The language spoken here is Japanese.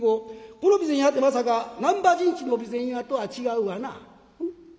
この備前屋ってまさか難波新地の備前屋とは違うわな？」。